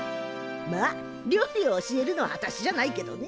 まあ料理を教えるのはあたしじゃないけどね。